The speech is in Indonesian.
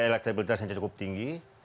elektabilitas yang cukup tinggi